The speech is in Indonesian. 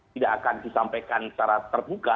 tidak akan disampaikan secara terbuka